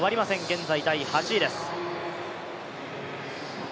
現在第８位です。